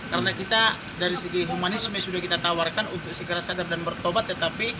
karena kita dari segi humanisme sudah kita tawarkan untuk segera sadar dan bertobat